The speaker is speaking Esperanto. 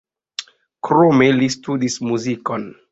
Krome li studis muzikon.